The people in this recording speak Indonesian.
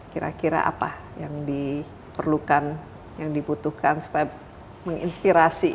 kira kira apa yang diperlukan yang dibutuhkan supaya menginspirasi